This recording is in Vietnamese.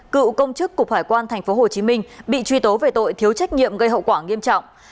cựu công chức cục hải quan tp hcm bị truy tố về tội thiếu trách nhiệm gây hậu quả nghiêm trọng